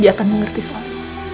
dia akan mengerti selalu